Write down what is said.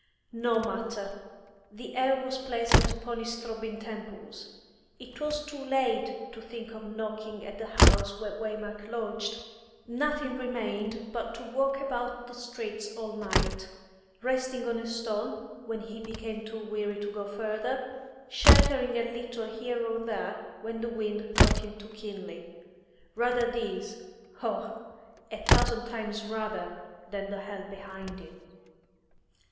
No matter; the air was pleasant upon his throbbing temples. It was too late to think of knocking at the house where Waymark lodged. Nothing remained but to walk about the streets all night, resting on a stone when he became too weary to go further, sheltering a little here or there when the wind cut him too keenly. Rather this, oh, a thousand times rather, than the hell behind him.